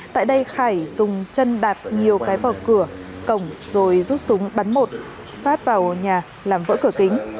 tại đây khải dùng chân đạp nhiều cái vào cửa cổng rồi rút súng bắn một phát vào nhà làm vỡ cửa kính